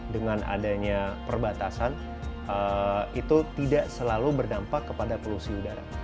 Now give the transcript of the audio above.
dengan adanya perbatasan itu tidak selalu berdampak kepada polusi udara